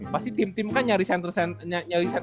pasti tim tim kan nyari center center asing ya kan